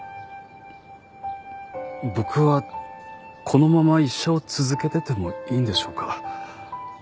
僕はこのまま医者を続けててもいいんでしょうか。